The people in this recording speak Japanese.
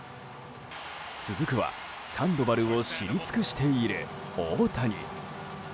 続くは、サンドバルを知り尽くしている大谷。